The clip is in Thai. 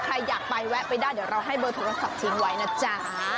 ใครอยากไปแวะไปได้เดี๋ยวเราให้เบอร์โทรศัพท์ทิ้งไว้นะจ๊ะ